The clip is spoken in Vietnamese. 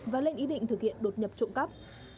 và lên ý định thực hiện đột nhập trộm cắp